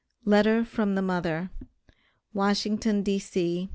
LETTER FROM THE MOTHER. WASHINGTON, D.C.